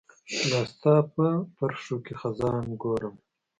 لاستا په پرښوکې خزان ګورم